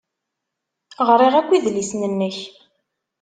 Ɣriɣ akk idlisen-nnek.